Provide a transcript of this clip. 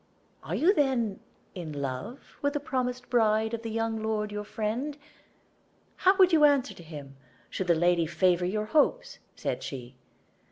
"Are you, then, in love with the promised bride of the young lord your friend? How would you answer to him, should the lady favor your hopes?" said she.